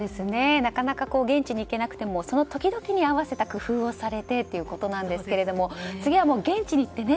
なかなか現地に行けなくてもその時々に合わせた工夫をされてっていうことなんですけども次は現地に行ってね。